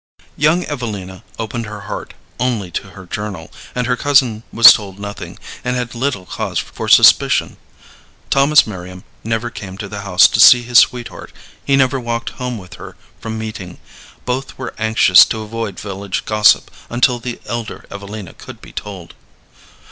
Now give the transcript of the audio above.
Young Evelina opened her heart only to her journal, and her cousin was told nothing, and had little cause for suspicion. Thomas Merriam never came to the house to see his sweetheart; he never walked home with her from meeting. Both were anxious to avoid village gossip, until the elder Evelina could be told.